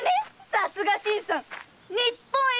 さすが新さん日本一！